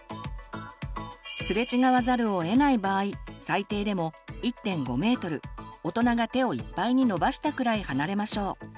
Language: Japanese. すれ違わざるをえない場合最低でも１．５ｍ大人が手をいっぱいに伸ばしたくらい離れましょう。